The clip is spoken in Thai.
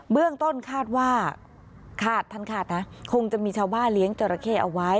เรื่องต้นคาดว่าคาดท่านคาดนะคงจะมีชาวบ้านเลี้ยงจราเข้เอาไว้